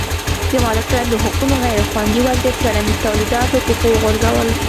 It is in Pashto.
د مالکیت د حقونو غیر خوندي وضعیت کرنیز تولیدات له پښو وغورځول.